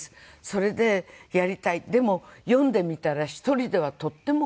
それでやりたいでも読んでみたら１人ではとっても。